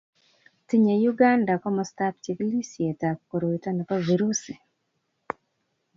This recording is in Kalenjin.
tinyei Uganda komostab chikilisietab koroito nebo virusi.